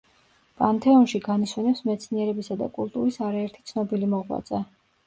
პანთეონში განისვენებს მეცნიერებისა და კულტურის არაერთი ცნობილი მოღვაწე.